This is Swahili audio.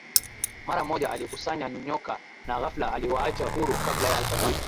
Mara moja alikusanya nyoka na ghafla aliwaacha huru kabla ya alfajiri